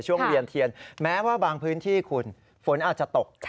เวียนเทียนแม้ว่าบางพื้นที่คุณฝนอาจจะตก